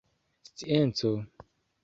scienco